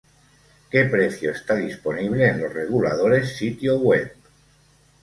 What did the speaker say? Que precio está disponible en los reguladores sitio web.